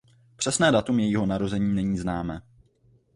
Přesné datum jejího narození není známé.